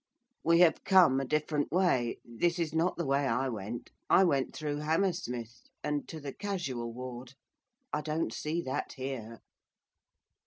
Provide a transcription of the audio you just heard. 'We have come a different way, this is not the way I went; I went through Hammersmith, and to the casual ward; I don't see that here.